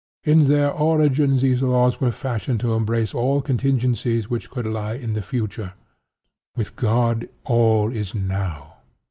In their origin these laws were fashioned to embrace all contingencies which could lie in the Future. With God all is Now.